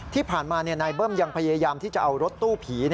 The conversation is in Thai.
ที่ผ่านมานายเบิ้มยังพยายามที่จะเอารถตู้ผี